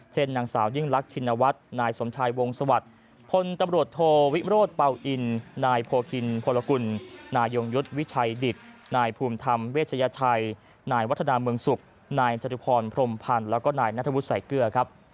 เช่นนางสาวยิ่งลักษณวัฒน์ชินวัฒน์นายสมชายวงศวรรษผลตำรวจโทวิมโรธเปล่าอินนายโพคินพลกุลนายยงยุทธวิชัยดิตนายภูมิธรรมเวชยชัยนายวัฒนาเมืองศุกร์นายจริงพรพรมพันธ์และนายนาธบุษย์ใส่เกลือ